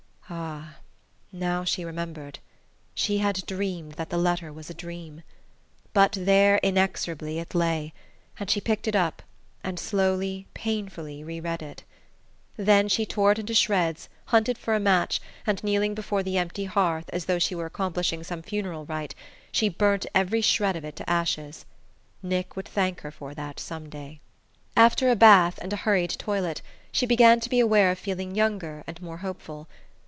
Ah, now she remembered she had dreamed that the letter was a dream! But there, inexorably, it lay; and she picked it up, and slowly, painfully re read it. Then she tore it into shreds hunted for a match, and kneeling before the empty hearth, as though she were accomplishing some funeral rite, she burnt every shred of it to ashes. Nick would thank her for that some day! After a bath and a hurried toilet she began to be aware of feeling younger and more hopeful.